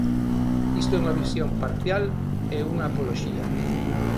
Isto é unha visión parcial e unha apoloxía.